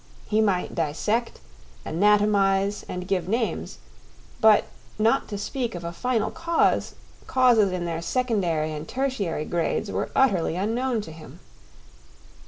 He might dissect, anatomise, and give names; but, not to speak of a final cause, causes in their secondary and tertiary grades were utterly unknown to him.